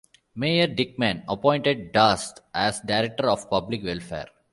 Mayor Dickmann appointed Darst as Director of Public Welfare.